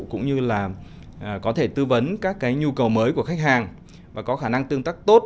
cũng như là có thể tư vấn các cái nhu cầu mới của khách hàng và có khả năng tương tác tốt